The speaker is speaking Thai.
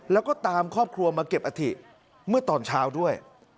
แล้วก็ตามครอบครัวมาเก็บอัฐิเมื่อตอนเช้าด้วย